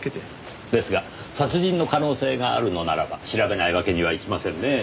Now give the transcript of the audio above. ですが殺人の可能性があるのならば調べないわけにはいきませんねぇ。